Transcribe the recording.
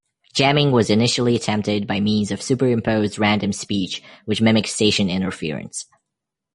Jamming was initially attempted by means of superimposed random speech which mimicked station interference.